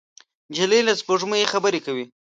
نجلۍ له سپوږمۍ خبرې کوي.